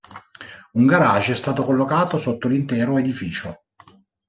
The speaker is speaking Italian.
Un garage è stato collocato sotto l'intero edificio.